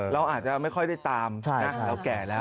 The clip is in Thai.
เราอาจจะไม่ค่อยได้ตามเราแก่แล้ว